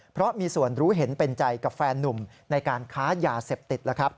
เพราะมีส่วนรู้เห็นเป็นใจกับแฟนนุ่มในการค้ายาเสพติด